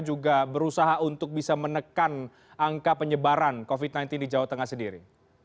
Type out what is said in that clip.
juga berusaha untuk bisa menekan angka penyebaran covid sembilan belas di jawa tengah sendiri